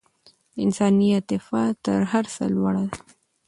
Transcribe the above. انساني عاطفه تر هر څه لوړه ده.